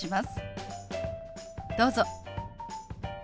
どうぞ。